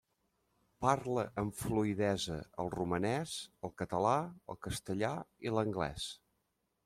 Parla amb fluïdesa el romanès, el català, el castellà i l'anglès.